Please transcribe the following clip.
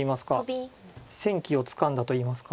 戦機をつかんだといいますか。